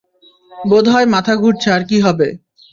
বোধহয় মাথা ঘুরছে, আর কি হবে?